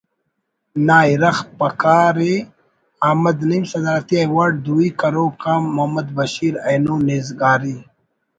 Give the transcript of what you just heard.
نا اِرغ بکار ءِ احمد نعیم صدارتی ایوارڈ دوئی کروک آ محمد بشیر اینو نیزگاری